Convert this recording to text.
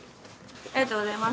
ありがとうございます。